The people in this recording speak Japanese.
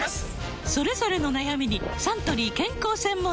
それぞれの悩みにサントリー健康専門茶